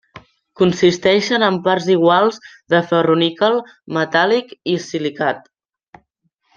Consisteixen en parts iguals de ferro-níquel metàl·lic i silicat.